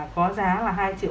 có giá là hai triệu một